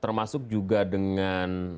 termasuk juga dengan wacana